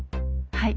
はい。